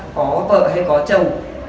có vợ hay có chồng